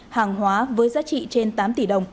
hàng hóa với giá trị trên tám tỷ